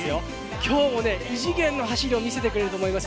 今日も異次元の走りを見せてくれると思います。